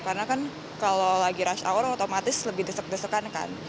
karena kan kalau lagi rush hour otomatis lebih desek desekan kan